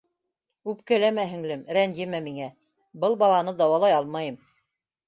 - Үпкәләмә, һенлем, рәнйемә миңә: был баланы дауалай алмайым.